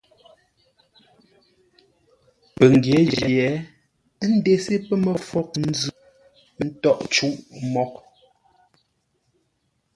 Pəngyě jye, ə́ ndesé pə́ məfwóghʼ nzʉ̂ ńtôghʼ mǒghʼ ə́.